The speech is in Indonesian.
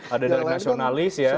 ada dari nasionalis ya